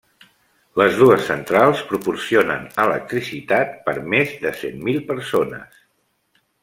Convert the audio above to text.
Les dues centrals proporcionen electricitat per més de cent mil persones.